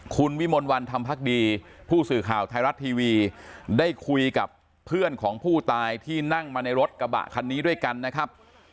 คุณวิมลวันธรรมพักดีผู้สื่อข่าวไทยรัฐทีวีได้คุยกับเพื่อนของผู้ตายที่นั่งมาในรถกระบะคันนี้ด้วยกันนะครับ